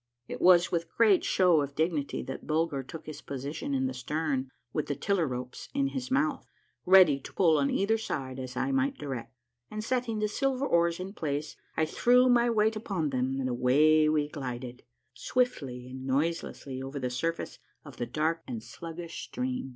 It was with a great show of dignity that Bulger took his position in the stern with the tiller ropes in his mouth, ready to pull on either side as I might direct ; and setting the silver oars in place, I threw my weight upon them, and away we glided, swiftly and noiselessly, over the surface of the dark and sluggish stream.